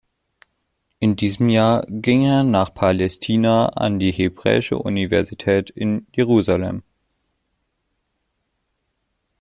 In diesem Jahr ging er nach Palästina an die Hebräische Universität in Jerusalem.